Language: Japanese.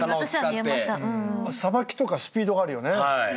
さばきとかスピードがあるよね。